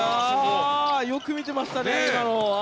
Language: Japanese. よく見てましたね、今の。